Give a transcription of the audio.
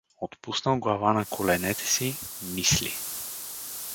Отпуснал глава на коленете си, мисли.